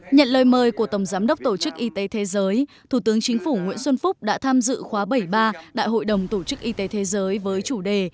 nhận lời mời của tổng giám đốc tổ chức y tế thế giới thủ tướng chính phủ nguyễn xuân phúc đã tham dự khóa bảy mươi ba đại hội đồng tổ chức y tế thế giới với chủ đề